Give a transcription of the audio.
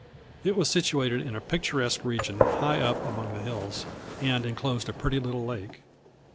It was situated in a picturesque region high up among the hills, and enclosed a pretty little lake.